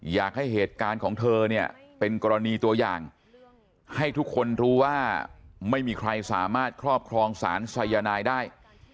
อยากให้เหตุการณ์ของเธอเนี่ยเป็นกรณีตัวอย่างให้ทุกคนรู้ว่าไม่มีใครสามารถครอบครองสารสายนายได้